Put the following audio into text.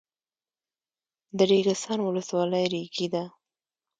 د ریګستان ولسوالۍ ریګي ده